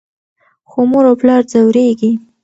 خو مور او پلار ځورېږي.